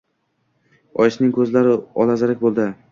Oyisining ko‘zlari olazarak bo‘ldi